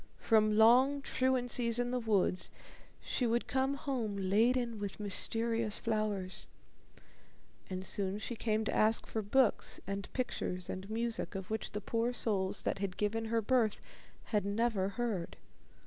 From long truancies in the woods she would come home laden with mysterious flowers, and soon she came to ask for books and pictures and music, of which the poor souls that had given her birth had never heard.